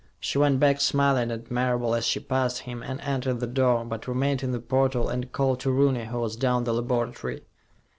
She went back, smiling at Marable as she passed him, and entered the door, but remained in the portal and called to Rooney, who was down the laboratory.